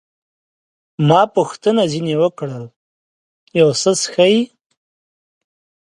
ما پوښتنه ځیني وکړل، یو څه څښئ؟